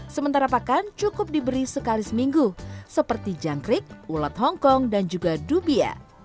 sementara pakan cukup diberi sekali seminggu seperti jangkrik ulat hongkong dan juga dubia